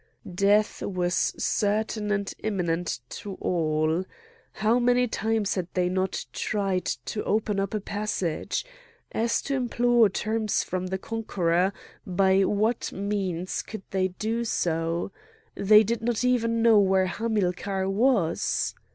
Death was certain and imminent to all. How many times had they not tried to open up a passage! As to implore terms from the conqueror, by what means could they do so? They did not even know where Hamilcar was.